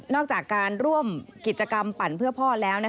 นอกจากร่วมกิจกรรมปั่นเพื่อพ่อแล้วนะคะ